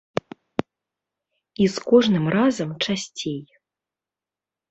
І з кожным разам часцей.